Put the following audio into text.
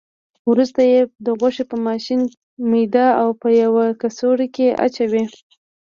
وروسته یې د غوښې په ماشین میده او په یوه کڅوړه کې اچوي.